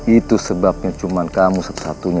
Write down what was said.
itu sebabnya cuma kamu satu satunya